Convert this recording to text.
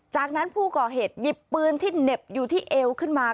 จากนั้นผู้ก่อเหตุหยิบปืนที่เหน็บอยู่ที่เอวขึ้นมา